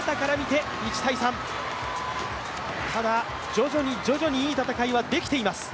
ただ、徐々に徐々にいい戦いはできています。